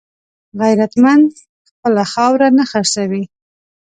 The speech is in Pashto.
غیرتمند خپله خاوره نه خرڅوي